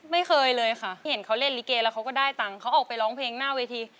ไม่เคยเลยค่ะที่เห็นเขาเล่นลิเกแล้วเขาก็ได้ตังค์เขาออกไปร้องเพลงหน้าเวที